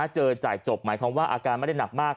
จ่ายจบหมายความว่าอาการไม่ได้หนักมาก